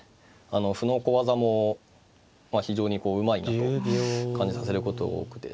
歩の小技も非常にうまいなと感じさせることが多くてですね。